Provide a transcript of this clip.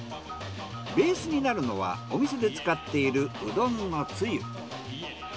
ベースになるのはお店で使っているうどんのつゆ。